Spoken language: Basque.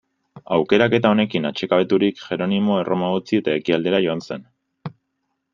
Aukeraketa honekin atsekabeturik, Jeronimo, Erroma utzi eta Ekialdera joan zen.